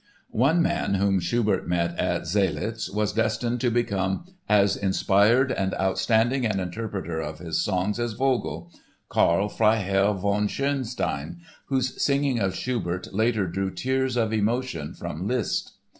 ] One man whom Schubert met at Zseliz was destined to become as inspired and outstanding an interpreter of his songs as Vogl—Karl Freiherr von Schönstein, whose singing of Schubert later drew tears of emotion from Liszt.